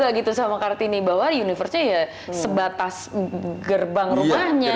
dan di sini juga ada kartini bahwa universe nya ya sebatas gerbang rumahnya gitu